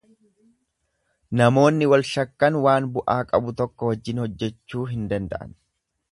Namoonni wal shakkan waan bu'aa qabu tokko wajjin hojjechuu hin danda'an.